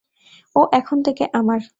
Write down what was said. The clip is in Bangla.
ও এখন থেকে আমার!